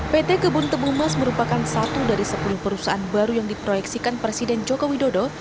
pt kebun tebu mas merupakan satu dari sepuluh perusahaan baru yang diproyeksikan presiden joko widodo